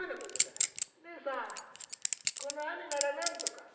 「ねえさんこの雨ならなんとか」。